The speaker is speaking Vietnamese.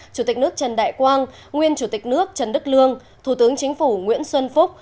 chủ tịch nước trần đại quang nguyên chủ tịch nước trần đức lương thủ tướng chính phủ nguyễn xuân phúc